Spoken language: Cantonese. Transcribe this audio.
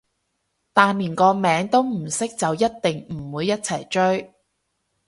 但連個名都唔識就一定唔會一齊追